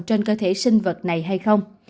trên cơ thể sinh vật này hay không